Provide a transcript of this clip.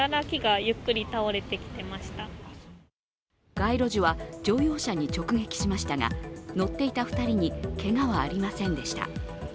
街路樹は乗用車に直撃しましたが乗っていた２人に、けがはありませんでした。